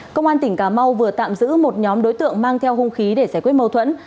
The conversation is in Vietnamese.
công an tỉnh cà mau vừa tạm giữ một nhóm đối tượng mang theo hung khí để giải quyết mâu thuẫn